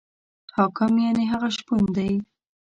حاکم یعنې هغه شپون دی.